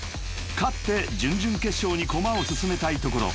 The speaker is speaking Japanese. ［勝って準々決勝に駒を進めたいところ］